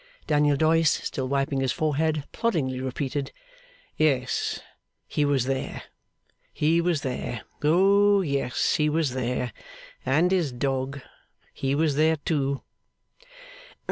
Daniel Doyce, still wiping his forehead, ploddingly repeated. 'Yes. He was there, he was there. Oh yes, he was there. And his dog. He was there too.